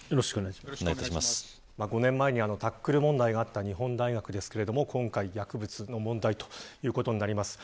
これ、前にタックル問題があった日本大学ですけど今回、薬物の問題ということになります。